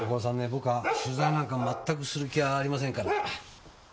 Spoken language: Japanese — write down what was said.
僕は取材なんか全くする気はありませんから。